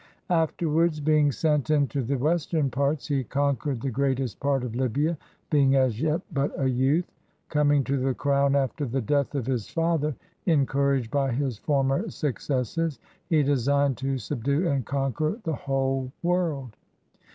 Afterwards, being sent into the western parts, he conquered the greatest part of Libya, being as yet but a youth. Coming to the crown after the death of his father, encouraged by his former successes, he designed to subdue and conquer the whole world.